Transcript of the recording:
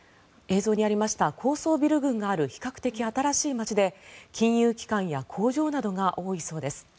映像にありました高層ビル群がある比較的新しい街で金融機関や工場などが多いそうです。